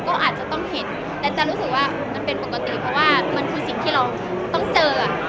ก็อาจจะต้องเห็นแต่จะรู้สึกว่ามันเป็นปกติเพราะว่ามันคือสิ่งที่เราต้องเจอ